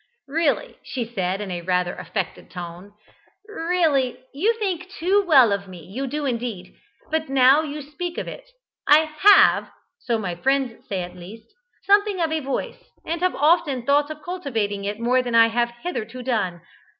"Really," she said, in rather an affected tone, "really, you think too well of me you do indeed but now you speak of it, I have (so my friends say at least) something of a voice, and have often thought of cultivating it more than I have hitherto done.